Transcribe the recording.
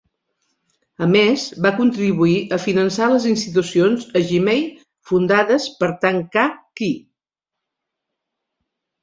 A més, va contribuir a finançar les institucions a Jimei fundades per Tan Kah Kee.